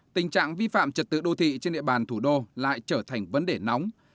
tình trạng vi phạm trật tự đô thị trên địa bàn thủ đô lại trở thành vấn đề nóng